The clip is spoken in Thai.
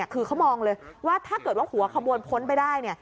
คือเขามองเลยว่าถ้าเกิดว่าหัวขบวนพ้นไปได้